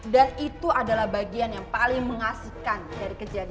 dan itu adalah bagian yang paling mengasihkan dari kejadian tadi